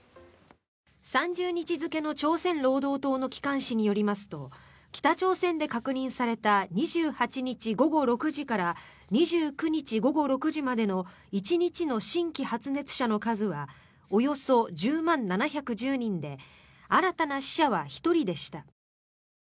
３０日付の朝鮮労働党の機関紙によりますと北朝鮮で確認された２８日午後６時から２９日午後６時までの１日の新規発熱者の数はおよそ１０万７１０人で新たな死者は１人でした。